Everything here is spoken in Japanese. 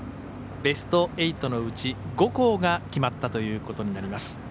ベスト８のうち、５校が決まったということになります。